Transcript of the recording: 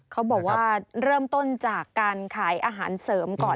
เขาบอกว่าเริ่มต้นจากการขายอาหารเสริมก่อน